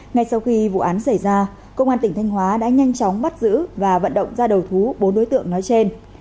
ngay sau khi vụ án xảy ra công an tỉnh thanh hóa đã nhanh chóng bắt giữ và vận động ra đầu thú bốn đối tượng nói trên